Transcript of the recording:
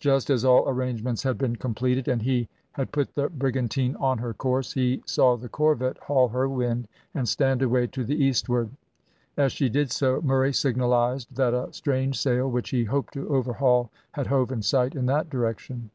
Just as all arrangements had been completed, and he had put the brigantine on her course, he saw the corvette haul her wind, and stand away to the eastward. As she did so, Murray signalised that a strange sail, which he hoped to overhaul, had hove in sight in that direction.